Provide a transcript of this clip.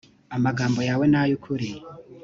amagambo yawe ni ay’ukuri